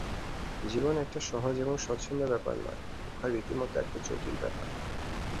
জীবন একটা সহজ ও স্বচ্ছন্দ ব্যাপার নয়, উহা রীতিমত একটি জটিল ব্যাপার।